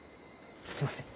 すみません。